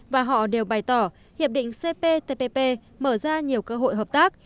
và họ đều bày tỏ hiệp định cptpp mở ra nhiều cơ hội hợp tác